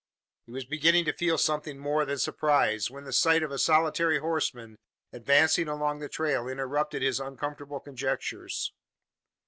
He was beginning to feel something more than surprise, when the sight of a solitary horseman advancing along the trail interrupted his uncomfortable conjectures.